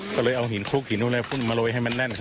ก็เลยเอาหินคลุกหินอะไรพวกมาโรยให้มันแน่น